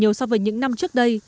nhiều so với những năm trước đây